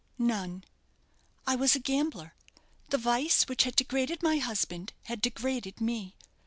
"None. I was a gambler; the vice which had degraded my husband had degraded me.